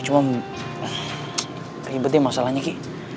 cuma ribet ya masalahnya ki